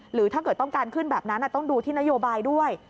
หรือถ้าเกิดต้องการขึ้นแบบนั้นต้องดูที่นโยบายด้วย